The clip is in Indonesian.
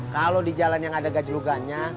kalau di jalan yang ada gajlukannya